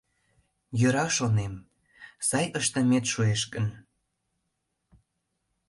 Йӧра, шонем, сай ыштымет шуэш гын...